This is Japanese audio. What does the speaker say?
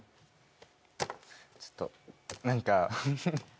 ちょっと何か。